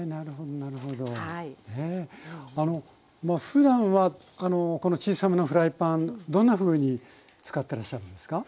ふだんはこの小さめのフライパンどんなふうに使ってらっしゃるんですか？